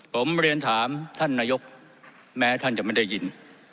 ผมเรียนถามท่านนายกแม้ท่านจะไม่ได้ยิน